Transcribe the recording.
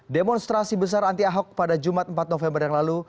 demonstrasi besar anti ahok pada jumat empat november yang lalu